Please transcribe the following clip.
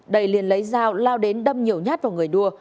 đây liền lấy dao lao đến đâm nhiều nhát vào người đua